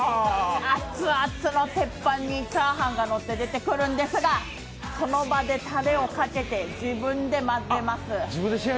アッツアツの鉄板にチャーハンがのって出てくるんですがその場でタレをかけて自分で混ぜます。